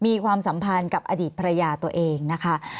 มีความรู้สึกว่ามีความรู้สึกว่า